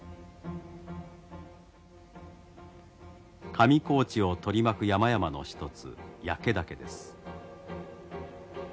上高地を取り巻く山々の一つ焼岳です。